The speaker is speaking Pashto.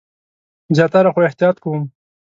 زیاتره، خو احتیاط کوم